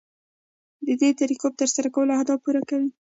ددې طریقو په ترسره کولو اهداف پوره کیږي.